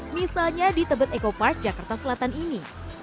misalnya di tebet eco park jakarta selatan ini